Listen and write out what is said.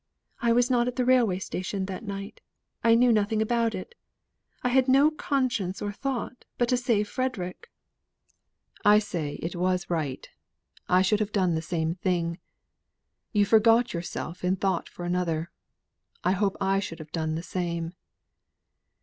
I was not at the railway station that night. I knew nothing about it. I had no conscience or thought but to save Frederick." "I say it was right. I should have done the same. You forgot yourself in thought for another. I hope I should have done the same."